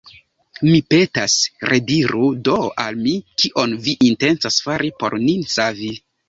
Mi petas, rediru do al mi, kion vi intencas fari por nin savi.